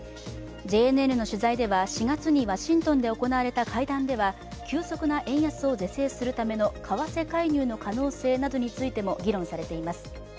ＪＮＮの取材では、４月にワシントンで行われた会談では急速な円安を是正するための為替介入の可能性などについても議論されています。